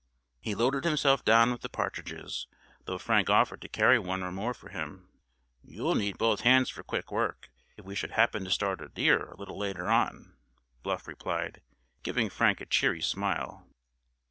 He loaded himself down with the partridges, though Frank offered to carry one or more for him. "You'll need both hands for quick work, if we should happen to start a deer a little later on," Bluff replied, giving Frank a cheery smile.